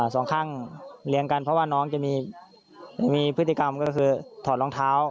สองข้างเลี้ยงกันเพราะว่าน้องจะมีพฤติกรรมก็คือถอดรองเท้า